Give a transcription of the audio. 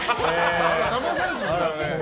だまされてますから。